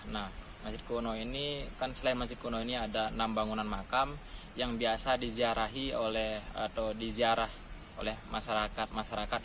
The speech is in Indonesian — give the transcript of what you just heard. nah masjid kuno ini kan selain masjid kuno ini ada enam bangunan makam yang biasa diziarahi oleh atau diziarah oleh masyarakat masyarakat